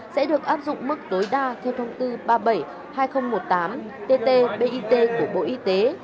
sẽ được áp dụng mức tối đa theo thông tư ba mươi bảy hai nghìn một mươi tám tt bit của bộ y tế